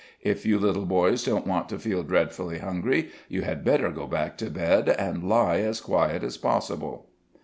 If you little boys don't want to feel dreadfully hungry, you had better go back to bed, and lie as quiet as possible."